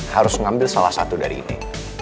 harus mengambil salah satu dari ini